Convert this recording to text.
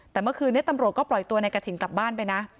แต่เมื่อคืนนี้ตำรวจก็ปล่อยตัวในกระถิ่นกลับบ้านไปนะ